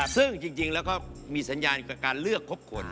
ซึ่งจริงแล้วก็มีสัญญาณกับการเลือกครบคน